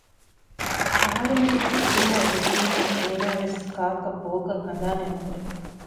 އަހަރުމެން ކުދިންނާ ޖެހުނީމާ އޭނާވެސް ކާކަށް ބޯކަށް ހަނދާނެއް ނުހުރޭ